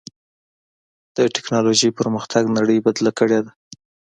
د ټکنالوجۍ پرمختګ نړۍ بدلې کړې ده.